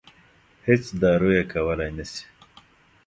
هېڅ دارو یې کولای نه شي.